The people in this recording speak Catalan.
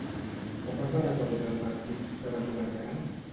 Com es va resoldre el partit que va jugar el Llevant?